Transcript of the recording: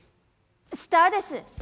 スターです。